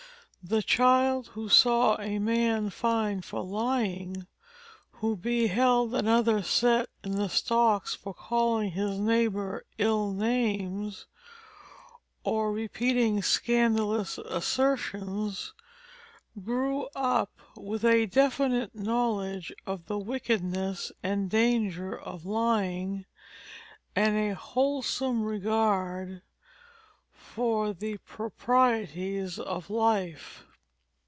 The child who saw a man fined for lying, who beheld another set in the stocks for calling his neighbor ill names, or repeating scandalous assertions, grew up with a definite knowledge of the wickedness and danger of lying, and a wholesome regard for the proprieties of life.